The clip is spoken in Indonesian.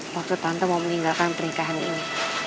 waktu tante mau meninggalkan pernikahan ini